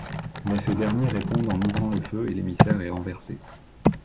Mais ces derniers répondent en ouvrant le feu et l'émissaire est renversé.